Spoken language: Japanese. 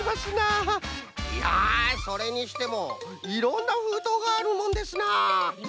いやそれにしてもいろんなふうとうがあるもんですなあ。